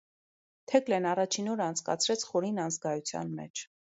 Թեկլեն առաջին օրը անցկացրեց խորին անզգայության մեջ: